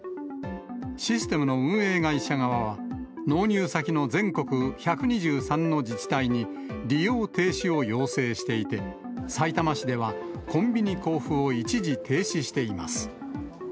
システムの運営会社側は、納入先の全国１２３の自治体に利用停止を要請していて、さいたま市ではコンビニ交付を一時停止しています。